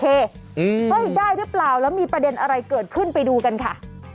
เฮ้ยได้หรือเปล่าแล้วมีประเด็นอะไรเกิดขึ้นไปดูกันค่ะ